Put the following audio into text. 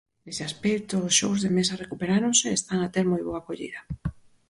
Nese aspecto, os xogos de mesa recuperáronse e están a ter moi boa acollida.